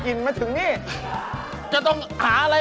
เห็นแผ่งอะไร